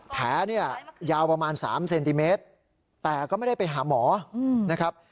แผลเนี่ยยาวประมาณ๓เซนติเมตรแต่ก็ไม่ได้ไปหาหมอนะครับ